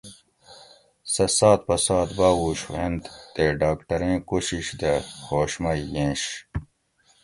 سہ سات پہ سات باۤہوش ہوئنت تے ڈاکٹریں کوشش دہ ہوش مئی یینش